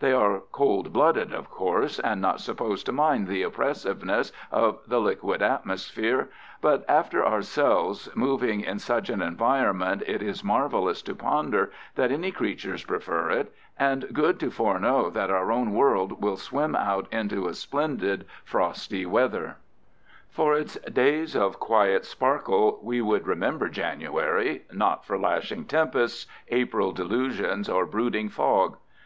They are cold blooded, of course, and not supposed to mind the oppressiveness of the liquid atmosphere. But after ourselves moving in such an environment it is marvelous to ponder that any creatures prefer it, and good to foreknow that our own world will swim out into a splendid frosty weather. For its days of quiet sparkle we would remember January, not for lashing tempests, April delusions, or brooding fog.